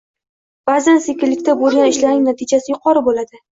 Ba'zan sekinlikda bõlgan ishlarning natijasi yuqori bõladi